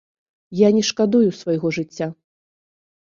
Я не шкадую свайго жыцця!